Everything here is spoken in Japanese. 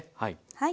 はい。